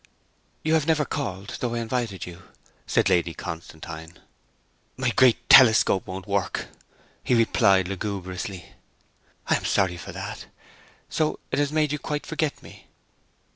'You have never called, though I invited you,' said Lady Constantine. 'My great telescope won't work!' he replied lugubriously. 'I am sorry for that. So it has made you quite forget me?'